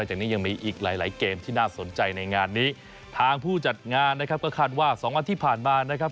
จากนี้ยังมีอีกหลายหลายเกมที่น่าสนใจในงานนี้ทางผู้จัดงานนะครับก็คาดว่าสองวันที่ผ่านมานะครับ